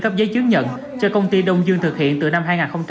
cấp giấy chứng nhận cho công ty đông dương thực hiện từ năm hai nghìn tám